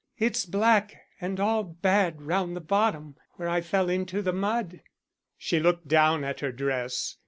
It's black and all bad round the bottom where I fell into the mud." She looked down at her dress.